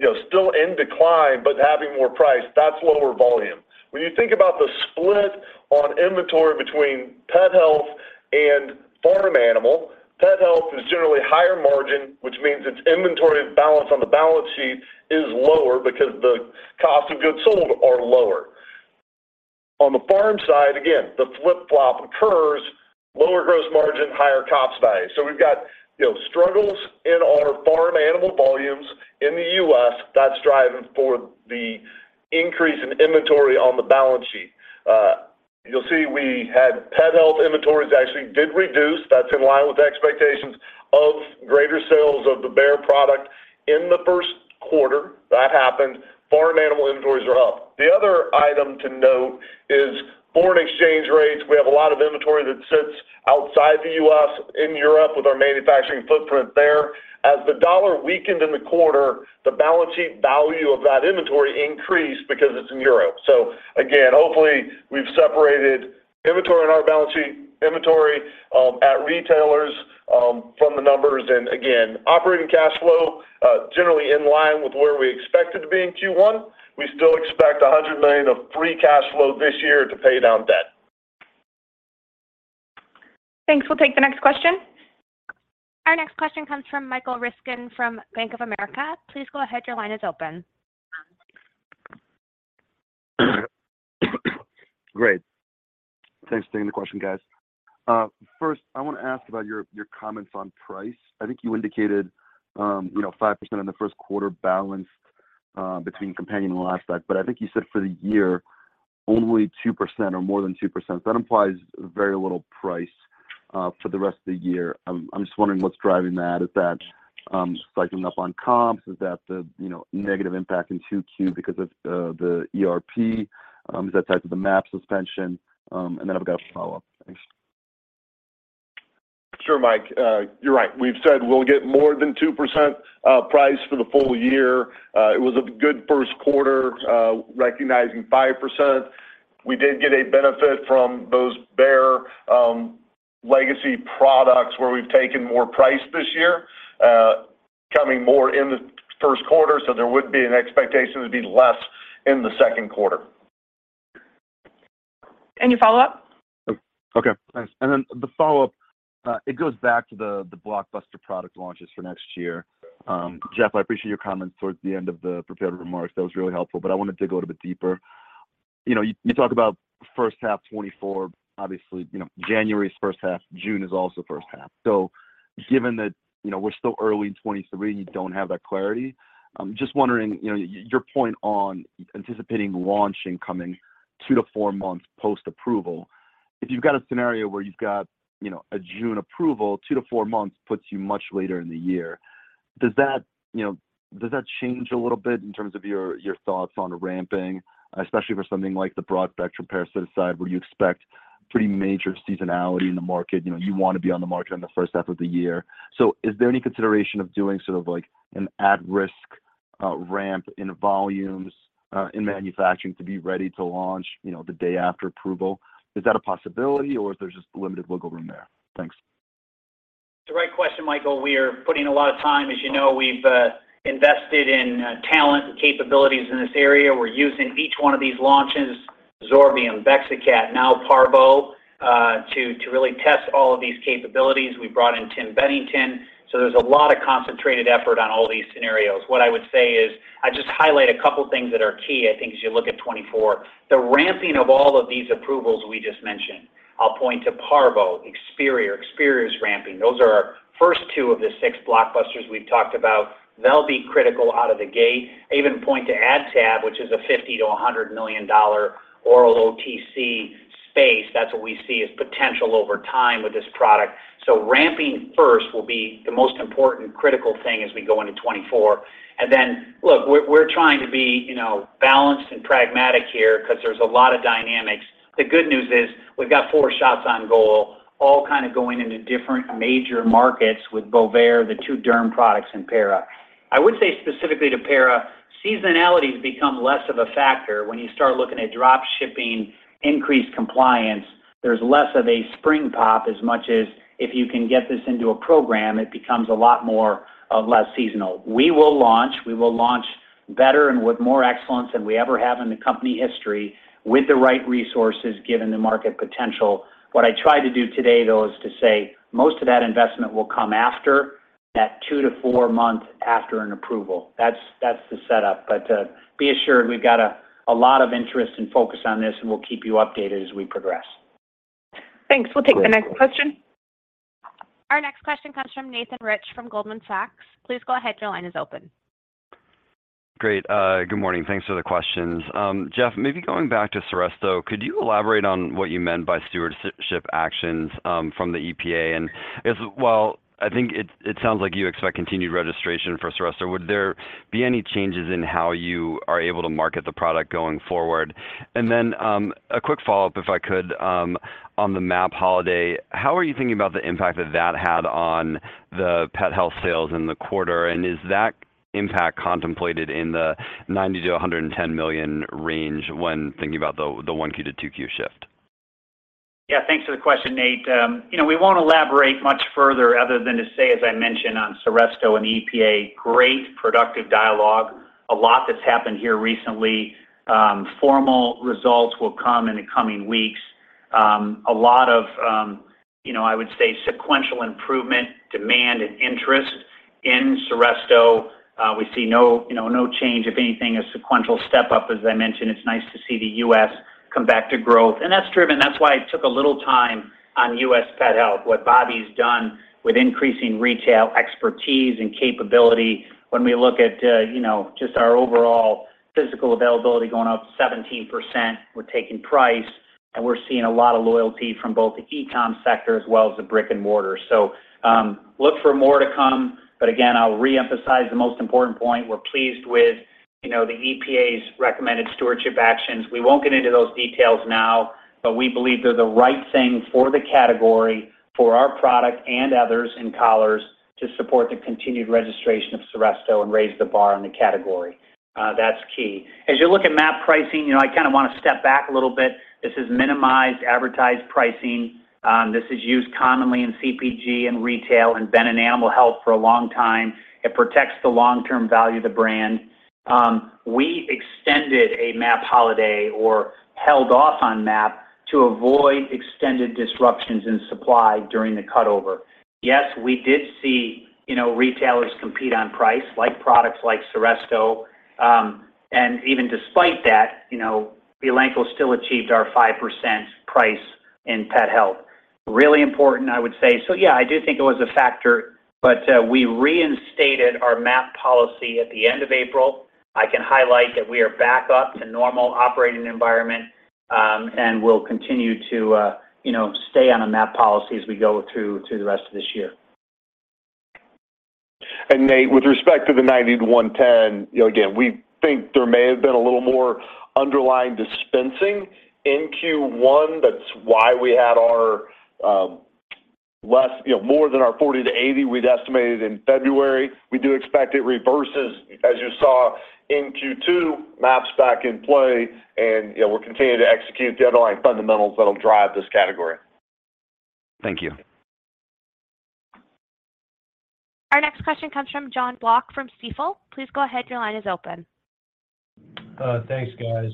you know, still in decline, but having more price, that's lower volume. When you think about the split on inventory between pet health and farm animal, pet health is generally higher margin, which means its inventory balance on the balance sheet is lower because the cost of goods sold are lower. On the farm side, again, the flip-flop occurs, lower gross margin, higher cost value. We've got, you know, struggles in our farm animal volumes in the US that's driving for the increase in inventory on the balance sheet. You'll see we had pet health inventories actually did reduce. That's in line with the expectations of greater sales of the Bayer product in the first quarter. That happened. Farm animal inventories are up. The other item to note is foreign exchange rates. We have a lot of inventory that sits outside the U.S. in Europe with our manufacturing footprint there. As the dollar weakened in the quarter, the balance sheet value of that inventory increased because it's in Europe. Again, hopefully, we've separated inventory on our balance sheet, inventory at retailers from the numbers. Again, operating cash flow generally in line with where we expect it to be in Q1. We still expect $100 million of free cash flow this year to pay down debt.
Thanks. We'll take the next question.
Our next question comes from Michael Ryskin from Bank of America. Please go ahead. Your line is open.
Great. Thanks for taking the question, guys. first, I want to ask about your comments on price. I think you indicated, you know, 5% in the first quarter balanced, between companion and livestock, but I think you said for the year only 2% or more than 2%. That implies very little price, for the rest of the year. I'm just wondering what's driving that. Is that cycling up on comps? Is that the, you know, negative impact in Q2 because of the ERP? Is that tied to the MAP suspension? I've got a follow-up. Thanks.
Sure, Mike. You're right. We've said we'll get more than 2% price for the full-year. It was a good first quarter, recognizing 5%. We did get a benefit from those Bayer legacy products where we've taken more price this year, coming more in the first quarter. There would be an expectation to be less in the second quarter.
Your follow-up?
Okay. Thanks. The follow-up, it goes back to the blockbuster product launches for next year. Jeff, I appreciate your comments towards the end of the prepared remarks. That was really helpful, but I wanted to go a bit deeper. You talk about first half 2024. Obviously, January is first half. June is also first half. Given that, we're still early in 2023, you don't have that clarity, I'm just wondering, your point on anticipating launching coming two to four months post-approval. If you've got a scenario where you've got, a June approval, two to four months puts you much later in the year. Does that, you know, does that change a little bit in terms of your thoughts on ramping, especially for something like the broad-spectrum parasitic side where you expect pretty major seasonality in the market? You know, you want to be on the market in the first half of the year. Is there any consideration of doing sort of like an at-risk, ramp in volumes, in manufacturing to be ready to launch, you know, the day after approval? Is that a possibility or is there just limited wiggle room there? Thanks.
It's the right question, Michael. We are putting a lot of time. As you know, we've invested in talent and capabilities in this area. We're using each one of these launches, Zorbium, Bexacat, now Parvo, to really test all of these capabilities. We brought in Tim Bennington. There's a lot of concentrated effort on all these scenarios. What I would say is I'd just highlight a couple things that are key, I think, as you look at 2024. The ramping of all of these approvals we just mentioned. I'll point to Parvo, Experior. Experior's ramping. Those are our first two of the six blockbusters we've talked about. They'll be critical out of the gate. Even point to AdTab, which is a $50 million-$100 million oral OTC space. That's what we see as potential over time with this product. Ramping first will be the most important critical thing as we go into 2024. Look, we're trying to be, you know, balanced and pragmatic here because there's a lot of dynamics. The good news is we've got four shots on goal, all kind of going into different major markets with Bovaer, the two derm products in Para. I would say specifically to Para, seasonality has become less of a factor when you start looking at drop shipping, increased compliance. There's less of a spring pop as much as if you can get this into a program, it becomes a lot more less seasonal. We will launch. We will launch better and with more excellence than we ever have in the company history with the right resources given the market potential. What I tried to do today, though, is to say most of that investment will come after that two to four month after an approval. That's the setup. Be assured we've got a lot of interest and focus on this, and we'll keep you updated as we progress.
Thanks. We'll take the next question.
Our next question comes from Nathan Rich from Goldman Sachs. Please go ahead. Your line is open.
Great. Good morning. Thanks for the questions. Jeff, maybe going back to Seresto, could you elaborate on what you meant by stewardship actions from the EPA? Well, I think it sounds like you expect continued registration for Seresto. Would there be any changes in how you are able to market the product going forward? Then, a quick follow-up, if I could, on the MAP holiday, how are you thinking about the impact that that had on the pet health sales in the quarter? Is that impact contemplated in the $90 million-$110 million range when thinking about the 1Q to 2Q shift?
Yeah, thanks for the question, Nate. You know, we won't elaborate much further other than to say, as I mentioned on Seresto and EPA, great productive dialogue. A lot that's happened here recently. Formal results will come in the coming weeks. A lot of, you know, I would say sequential improvement, demand and interest in Seresto. We see no, you know, no change. If anything, a sequential step up. As I mentioned, it's nice to see the U.S. come back to growth. That's driven. That's why it took a little time on U.S. pet health, what Bobby's done with increasing retail expertise and capability. When we look at, you know, just our overall physical availability going up 17%, we're taking price, and we're seeing a lot of loyalty from both the e-com sector as well as the brick-and-mortar. Look for more to come, but again, I'll reemphasize the most important point. We're pleased with, you know, the EPA's recommended stewardship actions. We won't get into those details now, but we believe they're the right thing for the category for our product and others in collars to support the continued registration of Seresto and raise the bar in the category. That's key. As you look at MAP pricing, you know, I kind of want to step back a little bit. This is minimized advertised pricing. This is used commonly in CPG and retail and been in animal health for a long time. It protects the long-term value of the brand. We extended a MAP holiday or held off on MAP to avoid extended disruptions in supply during the cut over. Yes, we did see, you know, retailers compete on price, like products like Seresto. Even despite that, you know, Elanco still achieved our 5% price in pet health. Really important, I would say. Yeah, I do think it was a factor, but we reinstated our MAP policy at the end of April. I can highlight that we are back up to normal operating environment, and we'll continue to, you know, stay on a MAP policy as we go through to the rest of this year.
Nate, with respect to the $90 million-$110 million, you know, again, we think there may have been a little more underlying dispensing in Q1. That's why we had our, less, you know, more than our $40 million-$80 million we'd estimated in February. We do expect it reverses as you saw in Q2, MAP's back in play and, you know, we're continuing to execute underlying fundamentals that'll drive this category.
Thank you.
Our next question comes from Jonathan Block from Stifel. Please go ahead. Your line is open.
Thanks, guys.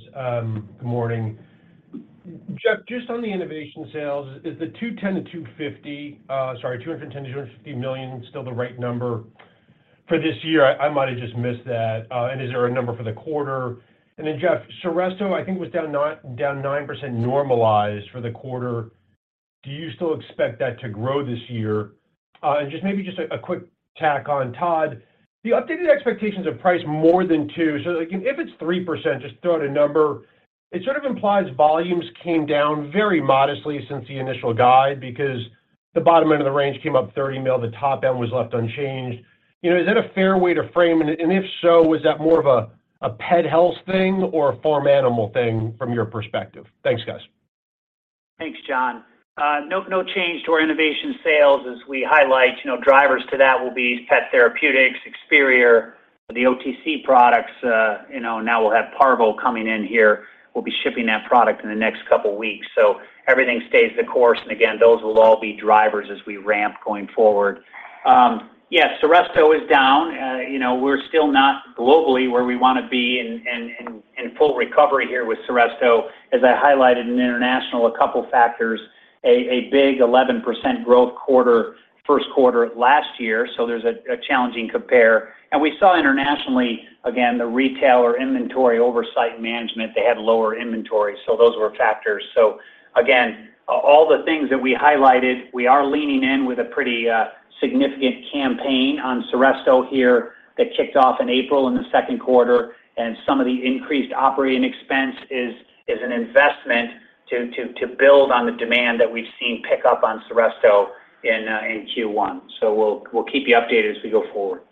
Good morning. Jeff, just on the innovation sales, is sorry, the $210 million-$250 million still the right number for this year? I might have just missed that. Is there a number for the quarter? Jeff, Seresto, I think, was down 9% normalized for the quarter. Do you still expect that to grow this year? Just maybe just a quick tack on Todd, the updated expectations of price more than 2%. Like if it's 3%, just throw out a number, it sort of implies volumes came down very modestly since the initial guide, because the bottom end of the range came up $30 million, the top end was left unchanged. You know, is that a fair way to frame it? If so, was that more of a pet health thing or a farm animal thing from your perspective? Thanks, guys.
Thanks, John. No change to our innovation sales as we highlight, you know, drivers to that will be pet therapeutics, Experior, the OTC products, you know, now we'll have Parvo coming in here. We'll be shipping that product in the next couple of weeks. Everything stays the course, and again, those will all be drivers as we ramp going forward. Yes, Seresto is down. You know, we're still not globally where we wanna be in full recovery here with Seresto. As I highlighted in international, a couple factors, a big 11% growth quarter, first quarter last year. There's a challenging compare. We saw internationally, again, the retailer inventory oversight management, they had lower inventory, so those were factors. Again, all the things that we highlighted, we are leaning in with a pretty significant campaign on Seresto here that kicked off in April in the second quarter, and some of the increased operating expense is an investment to build on the demand that we've seen pick up on Seresto in Q1. We'll keep you updated as we go forward.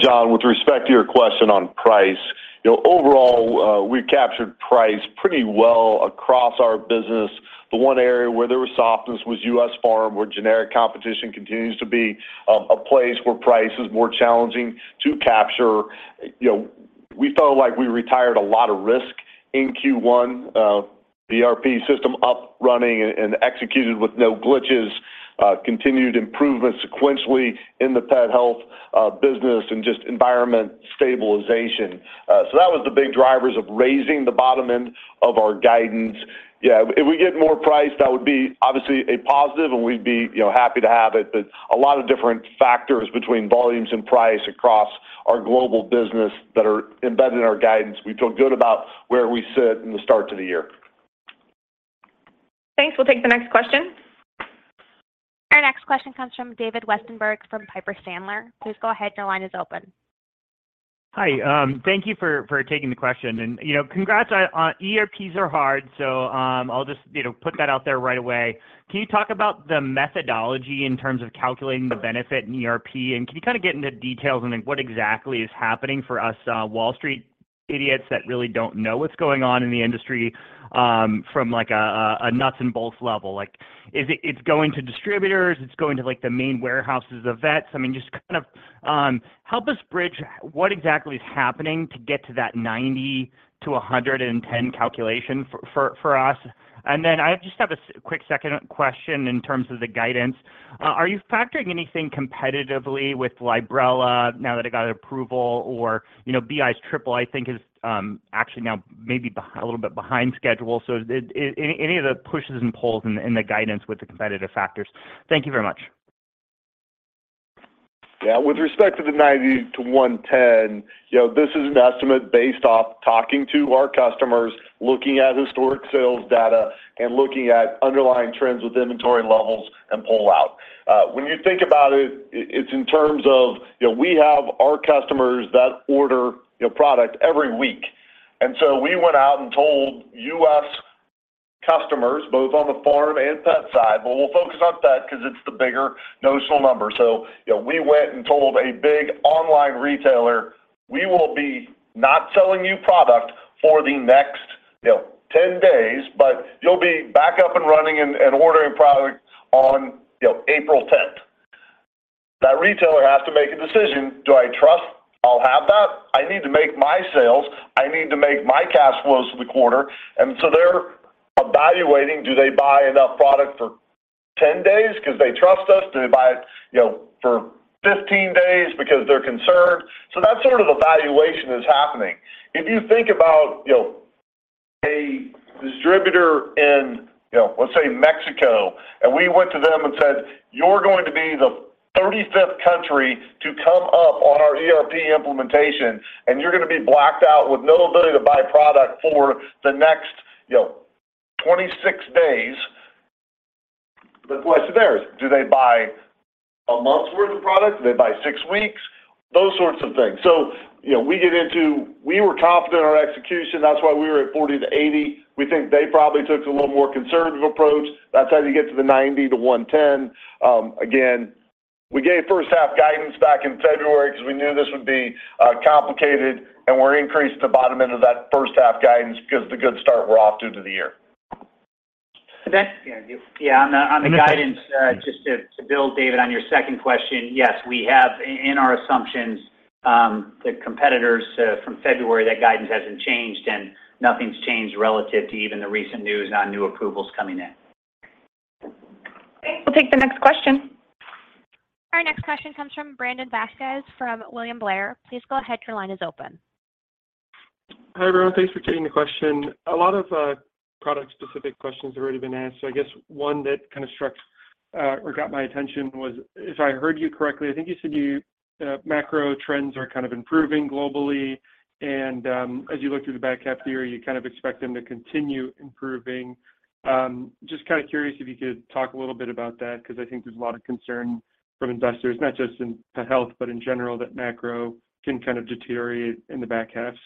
John, with respect to your question on price, you know, overall, we captured price pretty well across our business. The one area where there was softness was U.S. farm, where generic competition continues to be a place where price is more challenging to capture. You know, we felt like we retired a lot of risk in Q1, BRP system up, running and executed with no glitches, continued improvement sequentially in the Pet Health business and just environment stabilization. That was the big drivers of raising the bottom end of our guidance. Yeah, if we get more price, that would be obviously a positive and we'd be, you know, happy to have it. A lot of different factors between volumes and price across our global business that are embedded in our guidance. We feel good about where we sit in the start to the year.
Thanks. We'll take the next question.
Our next question comes from David Westenberg from Piper Sandler. Please go ahead. Your line is open.
Hi. Thank you for taking the question. You know, congrats on ERPs are hard, so, I'll just, you know, put that out there right away. Can you talk about the methodology in terms of calculating the benefit in ERP? Can you kinda get into details on what exactly is happening for us, Wall Street idiots that really don't know what's going on in the industry, from like a nuts and bolts level? Like, it's going to distributors, it's going to like the main warehouses of vets. I mean, just kind of, help us bridge what exactly is happening to get to that $90 million-$110 million calculation for us. I just have a quick second question in terms of the guidance. Are you factoring anything competitively with Librela now that it got approval or, you know, BI's triple, I think is actually now maybe a little bit behind schedule. Any of the pushes and pulls in the guidance with the competitive factors? Thank you very much.
Yeah. With respect to the $90 million-$110 million, you know, this is an estimate based off talking to our customers, looking at historic sales data, and looking at underlying trends with inventory levels and pull out. When you think about it's in terms of, you know, we have our customers that order, you know, product every week. We went out and told U.S. customers, both on the farm and pet side, but we'll focus on pet because it's the bigger notional number. We went and told a big online retailer, "We will be not selling you product for the next, you know, 10 days, but you'll be back up and running and ordering product on, you know, April 10th." That retailer has to make a decision, "Do I trust I'll have that? I need to make my sales. I need to make my cash flows for the quarter." They're evaluating, do they buy enough product for 10 days because they trust us? Do they buy, you know, for 15 days because they're concerned? That sort of evaluation is happening. If you think about, you know, a distributor in, you know, let's say Mexico, and we went to them and said, "You're going to be the 35th country to come up on our ERP implementation, and you're gonna be blacked out with no ability to buy product for the next, you know, 26 days." The question there is, do they buy a month's worth of product? Do they buy six weeks? Those sorts of things. You know, we get into... We were confident in our execution. That's why we were at $40 million-$80 million. We think they probably took a little more conservative approach. That's how you get to the $90 million-$110 million. Again, we gave first half guidance back in February because we knew this would be complicated, we increased the bottom end of that first half guidance because the good start we're off due to the year.
Yeah. On the guidance, just to build, David, on your second question, yes, we have in our assumptions, the competitors from February, that guidance hasn't changed, and nothing's changed relative to even the recent news on new approvals coming in.
Okay, we'll take the next question.
Our next question comes from Brandon Vazquez from William Blair. Please go ahead. Your line is open.
Hi, everyone. Thanks for taking the question. A lot of product-specific questions have already been asked. I guess one that kind of struck What got my attention was if I heard you correctly, I think you said you, macro trends are kind of improving globally. As you look through the back half theory, you kind of expect them to continue improving. Just kinda curious if you could talk a little bit about that 'cause I think there's a lot of concern from investors, not just in pet health, but in general that macro can kind of deteriorate in the back half.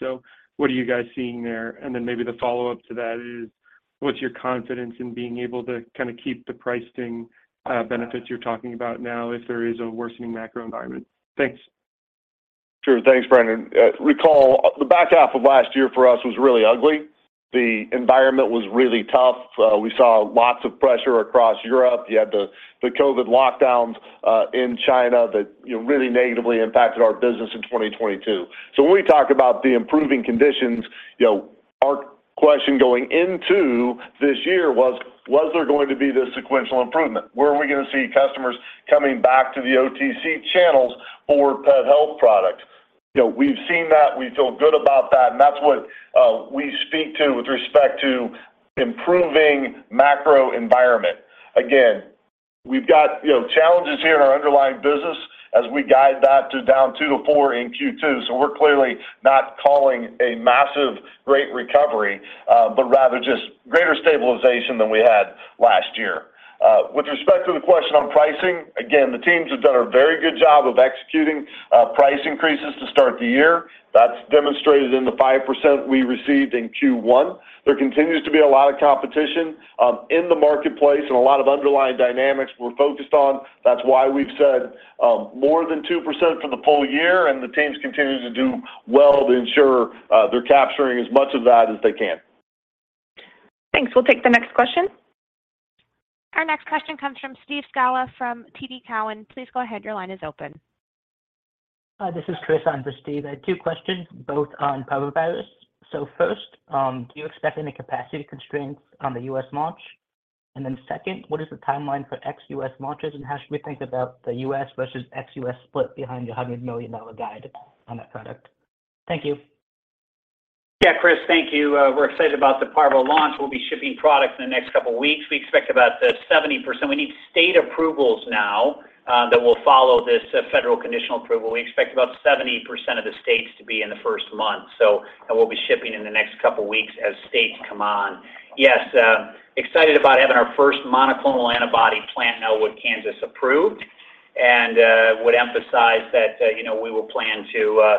What are you guys seeing there? Then maybe the follow-up to that is what's your confidence in being able to kinda keep the pricing, benefits you're talking about now if there is a worsening macro environment? Thanks.
Sure. Thanks, Brandon. Recall, the back half of last year for us was really ugly. The environment was really tough. We saw lots of pressure across Europe. You had the COVID lockdowns in China that, you know, really negatively impacted our business in 2022. When we talk about the improving conditions, you know, our question going into this year was there going to be this sequential improvement? Where are we gonna see customers coming back to the OTC channels for pet health products? You know, we've seen that. We feel good about that, and that's what we speak to with respect to improving macro environment. Again, we've got, you know, challenges here in our underlying business as we guide that to down 2%-4% in Q2. We're clearly not calling a massive rate recovery, but rather just greater stabilization than we had last year. With respect to the question on pricing, again, the teams have done a very good job of executing price increases to start the year. That's demonstrated in the 5% we received in Q1. There continues to be a lot of competition in the marketplace and a lot of underlying dynamics we're focused on. That's why we've said, more than 2% for the full-year, and the teams continue to do well to ensure they're capturing as much of that as they can.
Thanks. We'll take the next question.
Our next question comes from Steve Scala from TD Cowen. Please go ahead. Your line is open.
Hi, this is Chris in for Steve. I had two questions both on parvovirus. First, do you expect any capacity constraints on the U.S. launch? Second, what is the timeline for ex-U.S. launches, and how should we think about the U.S. versus ex-U.S. split behind your $100 million guide on that product? Thank you.
Yeah. Chris, thank you. We're excited about the parvo launch. We'll be shipping products in the next couple weeks. We expect about 70%. We need state approvals now that will follow this federal conditional approval. We expect about 70% of the states to be in the first month. We'll be shipping in the next couple weeks as states come on. Yes, excited about having our first monoclonal antibody plant now with Kansas approved and would emphasize that, you know, we will plan to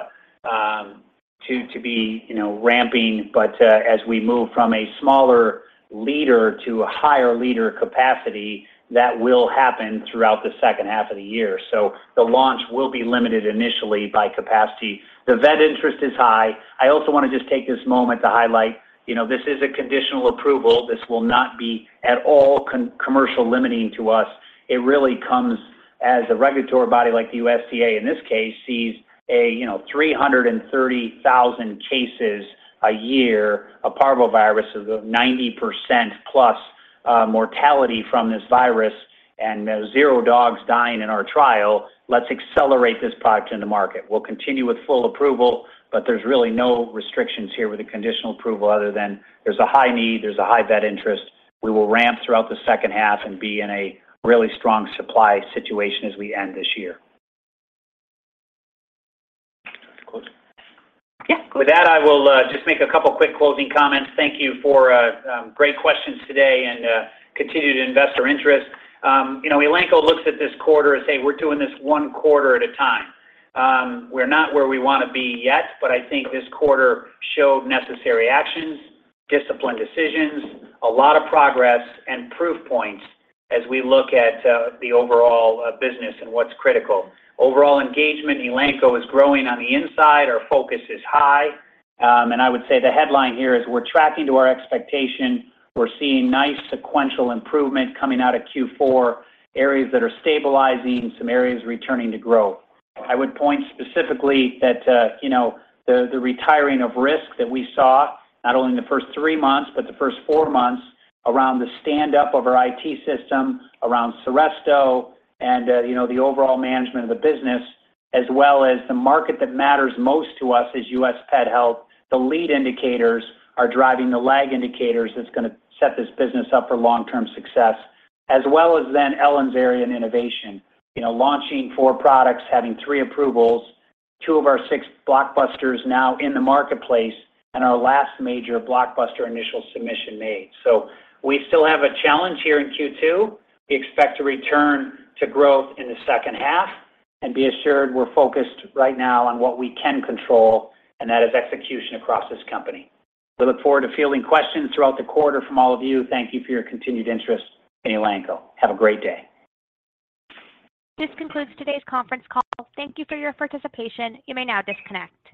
be, you know, ramping. As we move from a smaller liter to a higher liter capacity, that will happen throughout the second half of the year. The launch will be limited initially by capacity. The vet interest is high. I also wanna just take this moment to highlight, you know, this is a conditional approval. This will not be at all commercial limiting to us. It really comes as a regulatory body like the USDA in this case sees a, you know, 330,000 cases a year of parvovirus of 90%+ mortality from this virus and zero dogs dying in our trial. Let's accelerate this product into market. We'll continue with full approval, but there's really no restrictions here with the conditional approval other than there's a high need, there's a high vet interest. We will ramp throughout the second half and be in a really strong supply situation as we end this year.
Close.
Yeah. With that, I will just make a couple quick closing comments. Thank you for great questions today and continued investor interest. You know, Elanco looks at this quarter and say, "We're doing this one quarter at a time." We're not where we wanna be yet, but I think this quarter showed necessary actions, disciplined decisions, a lot of progress and proof points as we look at the overall business and what's critical. Overall engagement, Elanco is growing on the inside. Our focus is high. I would say the headline here is we're tracking to our expectation. We're seeing nice sequential improvement coming out of Q4, areas that are stabilizing, some areas returning to growth. I would point specifically that, you know, the retiring of risk that we saw not only in the first three months but the first four months around the standup of our IT system, around Seresto and, you know, the overall management of the business as well as the market that matters most to us is U.S. pet health. The lead indicators are driving the lag indicators that's gonna set this business up for long-term success, as well as then Ellen's area in innovation, you know, launching four products, having three approvals, two of our six blockbusters now in the marketplace, and our last major blockbuster initial submission made. We still have a challenge here in Q2. We expect to return to growth in the second half. Be assured we're focused right now on what we can control, and that is execution across this company. We look forward to fielding questions throughout the quarter from all of you. Thank you for your continued interest in Elanco. Have a great day.
This concludes today's conference call. Thank you for your participation. You may now disconnect.